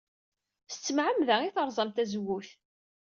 S tmeɛmada ay terẓam tazewwut.